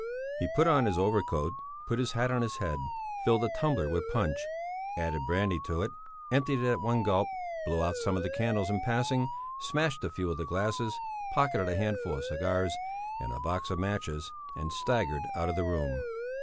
He put on his overcoat, put his hat on his head, filled a tumbler with punch, added brandy to it, emptied it at one gulp, blew out some of the candles in passing, smashed a few of the glasses, pocketed a handful of cigars and a box of matches, and staggered out of the room.